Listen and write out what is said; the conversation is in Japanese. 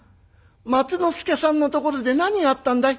松之助さんのところで何があったんだい？